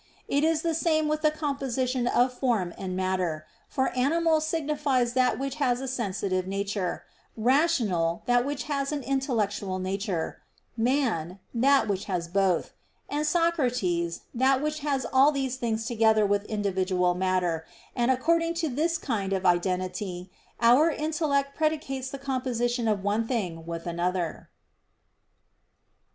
It is the same with the composition of form and matter: for animal signifies that which has a sensitive nature; rational, that which has an intellectual nature; man, that which has both; and Socrates that which has all these things together with individual matter; and according to this kind of identity our intellect predicates the composition of one thing with another.